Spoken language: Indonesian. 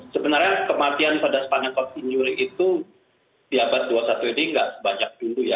sebenarnya kematian pada spanyol coutinjury itu di abad dua puluh satu ini nggak sebanyak dulu ya